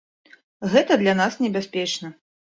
Гэта для нас небяспечна.